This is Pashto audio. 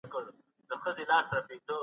سياست د علم د سخت معيارونه نسي پوره کولای.